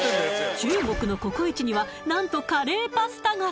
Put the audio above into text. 中国のココイチには何とカレーパスタが！